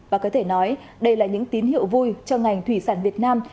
và có thể nói đây là những tín hiệu vui cho ngành thủy sản việt nam